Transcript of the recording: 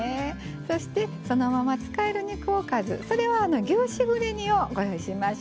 そしてそのまま使える肉おかずそれは牛しぐれ煮をご用意しました。